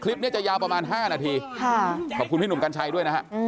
จะยาวประมาณ๕นาทีขอบคุณพี่หนุ่มกัญชัยด้วยนะฮะ